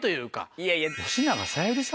いやいや。